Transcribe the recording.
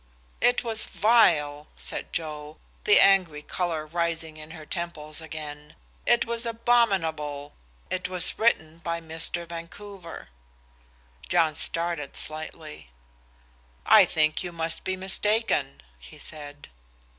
"It was vile," said Joe, the angry color rising to her temples again. "It was abominable. It was written by Mr. Vancouver." John started slightly. "I think you must be mistaken," he said.